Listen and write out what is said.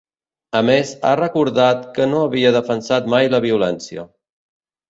A més, ha recordat que no havia defensat mai la violència.